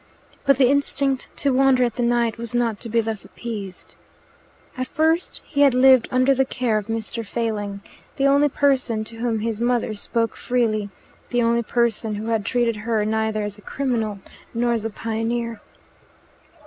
But the instinct to wonder at the night was not to be thus appeased. At first he had lived under the care of Mr. Failing the only person to whom his mother spoke freely, the only person who had treated her neither as a criminal nor as a pioneer.